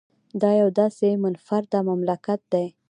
دا یو داسې منفرده مملکت دی